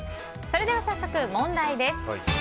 それでは早速、問題です。